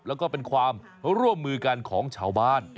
แล้วก็เป็นความร่วมมือกันของชาวบ้าน